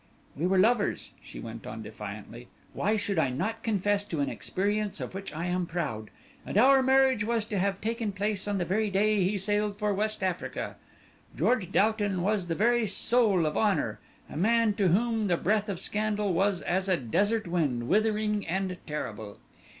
"We were lovers," she went on, defiantly, "why should I not confess to an experience of which I am proud? and our marriage was to have taken place on the very day he sailed for West Africa. George Doughton was the very soul of honour, a man to whom the breath of scandal was as a desert wind, withering and terrible.